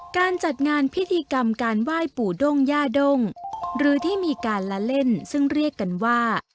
การจัดงานพิธีกรรมการไหว้ปู่ด้งย่าด้งหรือที่มีการละเล่นซึ่งเรียกกันว่า